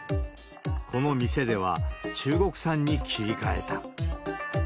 この店では中国産に切り替えた。